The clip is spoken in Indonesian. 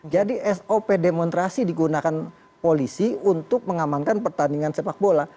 jadi sop demonstrasi digunakan polisi untuk mengamankan pertandingan sepak bola